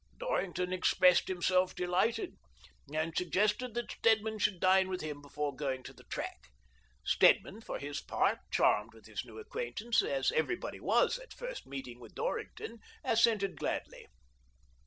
" Dorrington expressed himself delighted, and suggested that Stedman should dine with him before going to the track. Stedman, for his part, charmed with his new acquaintance — as everybody was at a first meeting vdth Dorrington — assented gladly.